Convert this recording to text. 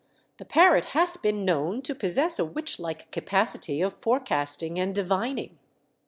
" The parrot hath been known to possess a witch like capacity of forecasting and divining."